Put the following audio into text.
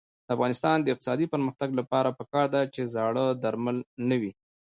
د افغانستان د اقتصادي پرمختګ لپاره پکار ده چې زاړه درمل نه وي.